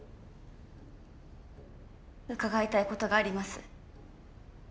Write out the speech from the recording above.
伺いたいことがあります。